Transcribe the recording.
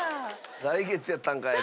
「来月やったんかい！」